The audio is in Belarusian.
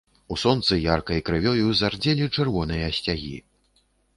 У сонцы яркай крывёю зардзелі чырвоныя сцягі.